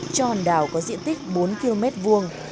tròn đảo có diện tích bốn km vuông